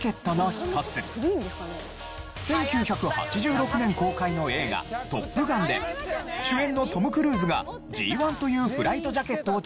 １９８６年公開の映画『トップガン』で主演のトム・クルーズがＧ−１というフライトジャケットを着用し